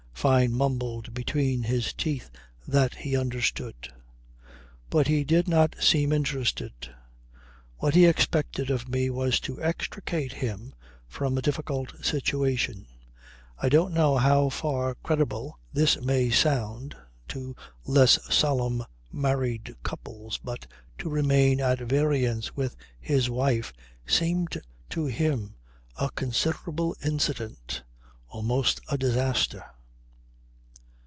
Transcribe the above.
Fyne mumbled between his teeth that he understood. But he did not seem interested. What he expected of me was to extricate him from a difficult situation. I don't know how far credible this may sound, to less solemn married couples, but to remain at variance with his wife seemed to him a considerable incident. Almost a disaster.